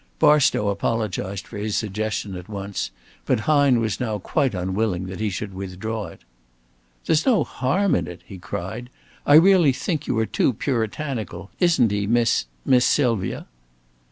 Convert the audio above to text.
Barstow apologized for his suggestion at once, but Hine was now quite unwilling that he should withdraw it. "There's no harm in it," he cried. "I really think you are too Puritanical, isn't he, Miss Miss Sylvia?"